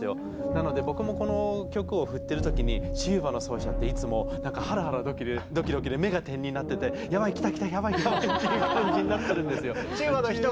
なので僕もこの曲を振ってるときにチューバの奏者っていつもなんかハラハラドキドキで目が点になっててやばい来た来たやばいやばいっていう感じになってるんですよ。